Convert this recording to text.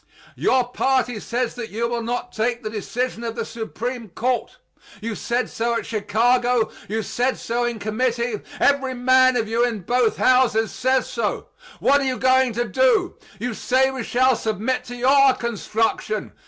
Your party says that you will not take the decision of the Supreme Court. You said so at Chicago; you said so in committee; every man of you in both Houses says so. What are you going to do? You say we shall submit to your construction.